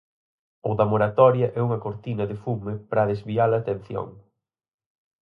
O da moratoria é unha cortina de fume para desviar a atención.